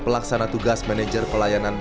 pelaksana tugas manajer pelayanan